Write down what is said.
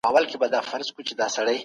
د عزت ساتنه د ټولني د پرمختګ لامل کېږي.